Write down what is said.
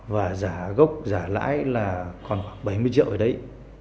và giả gốc giả lãi là khoảng bảy mươi triệu ở đấy